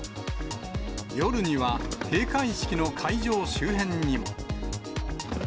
夜には、閉会式の会場周辺にも。